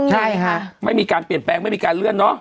ใช่ค่ะไม่มีการเปลี่ยนแปลงไม่มีการเลื่อนเนอะ